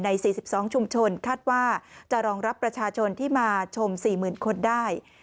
๔๒ชุมชนคาดว่าจะรองรับประชาชนที่มาชม๔๐๐๐คนได้